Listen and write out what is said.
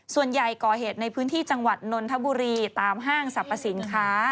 ส่วนใหญ่ก่อเหตุในพื้นที่จังหวัดนนทบุรีตามห้างสรรพสินค้า